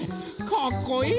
かっこいい！